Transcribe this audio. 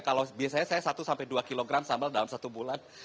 kalau biasanya saya satu sampai dua kilogram sambal dalam satu bulan